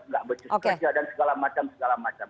nggak becus kerja dan segala macam segala macam